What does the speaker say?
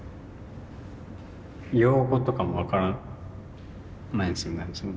用語とかも分からないですよね